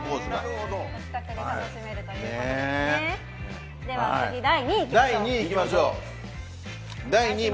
では、第２位いきましょう。